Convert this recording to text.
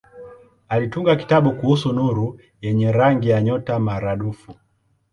Alitunga kitabu kuhusu nuru yenye rangi ya nyota maradufu.